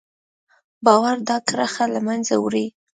باور دا کرښه له منځه وړي.